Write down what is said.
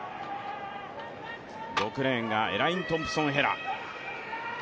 ６レーンがエライン・トンプソン・ヘラ。